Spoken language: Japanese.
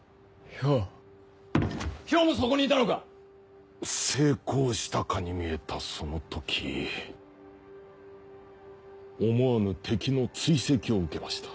漂もそこにいたのか⁉成功したかに見えたその時思わぬ敵の追跡を受けました。